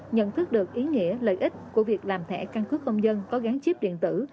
nhận thức được ý nghĩa lợi ích của việc làm thẻ căn cứ công dân có gán chiếc điện tử